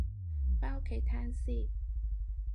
返屋企攤屍